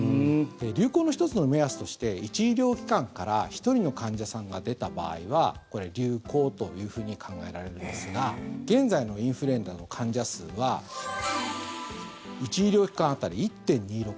流行の１つの目安として１医療機関から１人の患者さんが出た場合はこれ、流行というふうに考えられるんですが現在のインフルエンザの患者数は１医療機関当たり１．２６。